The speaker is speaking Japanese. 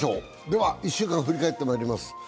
では１週間を振り返ってまいります